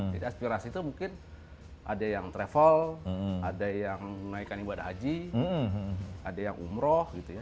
jadi aspirasi itu mungkin ada yang travel ada yang naik kaniwad haji ada yang umroh gitu ya